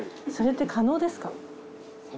それって可能ですか？